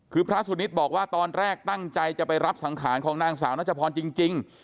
คือพระสุนิทบอกว่าตอนแรกตั้งใจจะไปรับสังขารของนางสาวนัชพรจริง